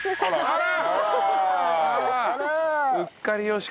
あら！